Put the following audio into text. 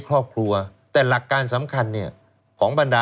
คุณนิวจดไว้หมื่นบาทต่อเดือนมีค่าเสี่ยงให้ด้วย